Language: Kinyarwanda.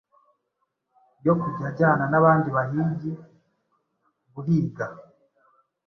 yo kujya ajyana n'abandi bahigi guhiga